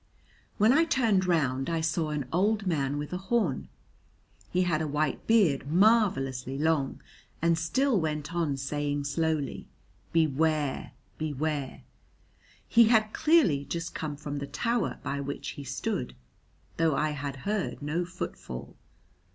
When I turned round I saw an old man with a horn. He had a white beard marvellously long, and still went on saying slowly, "Beware, beware." He had clearly just come from the tower by which he stood, though I had heard no footfall.